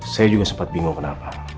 saya juga sempat bingung kenapa